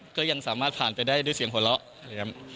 ก็ยังสามารถผ่านไปได้ด้วยเสียงหัวเราะ